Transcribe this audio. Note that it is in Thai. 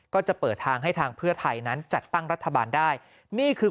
ก็จะเปิดทางให้ทางเพื่อไทยนั้นจัดตั้งรัฐบาลได้นี่คือ